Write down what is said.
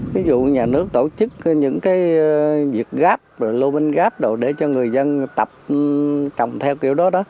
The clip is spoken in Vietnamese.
ví dụ nhà nước tổ chức những cái việc gáp lô minh gáp đồ để cho người dân tập trồng theo kiểu đó